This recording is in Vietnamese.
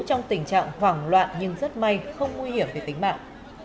trong tình trạng hoảng loạn nhưng rất may không nguy hiểm về tính mạng